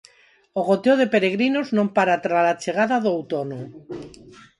O goteo de peregrinos non para tras a chegada do outono.